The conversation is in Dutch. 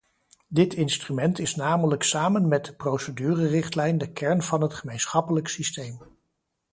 Dit instrument is namelijk samen met de procedurerichtlijn de kern van het gemeenschappelijk systeem.